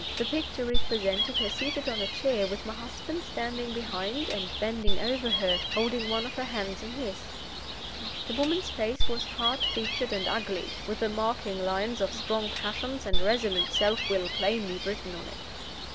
The picture represented her seated on a chair, with my husband standing behind, and bending over her, holding one of her hands in his. The woman's face was hard featured and ugly, with the marking lines of strong passions and resolute self will plainly written on it.